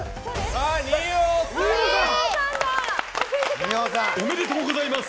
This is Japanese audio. ありがとうございます。